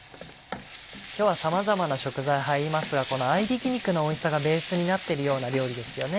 今日はさまざまな食材入りますがこの合びき肉のおいしさがベースになってるような料理ですよね。